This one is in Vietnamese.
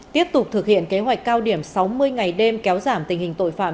tiếp tục thực hiện kế hoạch cao điểm sáu mươi ngày đêm kéo giảm tình hình tội phạm